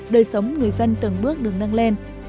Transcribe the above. đời sống người dân từng bước đường nâng lên